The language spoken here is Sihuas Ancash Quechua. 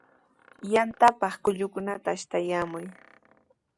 Yantapaq kullukunata ashtaykaayaamun.